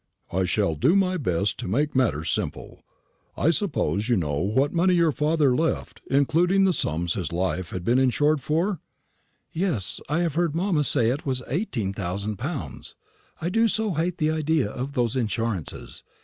"I shall do my best to make matters simple. I suppose you know what money your father left, including the sums his life had been insured for?" "Yes, I have heard mamma say it was eighteen thousand pounds. I do so hate the idea of those insurances.